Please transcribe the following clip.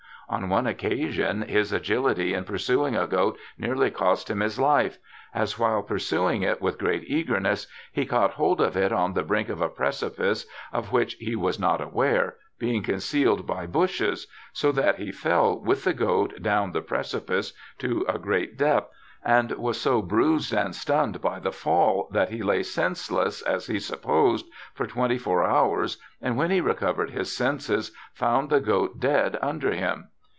On one occasion his agifity in pursuing a goat nearly cost him THOMAS DOVER 25 his life ; as while pursuing it with great eagerness he caught hold of it on the brink of a precipice, of which he was not aware, being concealed by bushes, so that he fell with the goat down the precipice to a great depth, and was so bruised and stunned by the fall that he lay senseless, as he supposed, for twenty four hours, and when he recovered his senses found the goat dead under him.